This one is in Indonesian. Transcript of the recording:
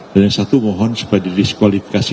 dan yang satu mohon supaya didiskualifikasi